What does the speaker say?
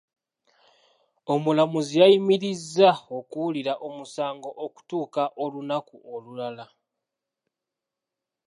Omulamuzi yayimirizza okuwulira omusango okutuuka olunaku olulala.